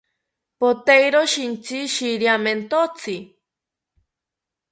Poteiro shintsi shiriamentotzi